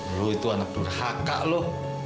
lu itu anak durhaka lu